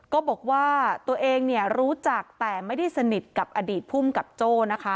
ก็บอกว่าตัวเองเนี่ยรู้จักแต่ไม่ได้สนิทกับอดีตภูมิกับโจ้นะคะ